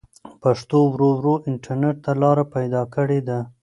پښتو ورو ورو انټرنټ ته لاره پيدا کړې ده.